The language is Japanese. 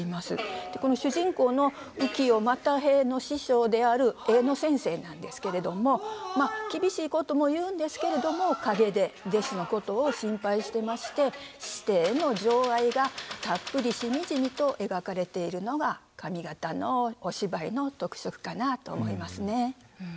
主人公の浮世又平の師匠である絵の先生なんですけれどもまあ厳しいことも言うんですけれども陰で弟子のことを心配してまして師弟の情愛がたっぷりしみじみと描かれているのが上方のお芝居の特色かなと思いますね。